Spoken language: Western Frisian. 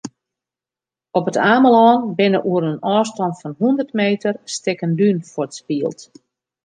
Op It Amelân binne oer in ôfstân fan hûndert meter stikken dún fuortspield.